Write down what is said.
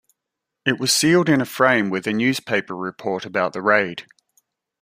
It was sealed in a frame with a newspaper report about the raid.